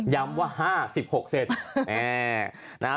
ย้ำว่า๕๑๖เซนต์